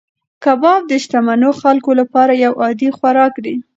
کباب د شتمنو خلکو لپاره یو عادي خوراک دی.